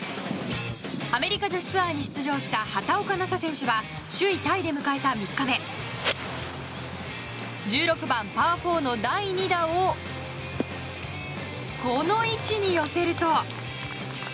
アメリカ女子ツアーに出場した畑岡奈紗選手は首位タイで迎えた３日目１６番、パー４の第２打をこの位置に寄せると。